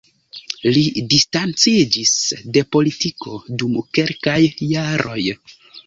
Li distanciĝis de politiko dum kelkaj jaroj.